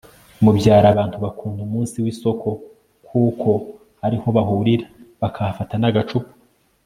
mu byaro, abantu bakunda umunsi w'isoko kuko ariho bahurira bakahafata n'agacupa